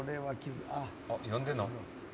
「あっ呼んでるの？」